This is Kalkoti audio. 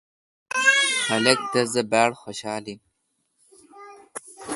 خلق تس دا باڑ خوشال آس۔